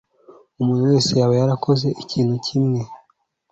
Umuntu wese yaba yarakoze ikintu kimwe.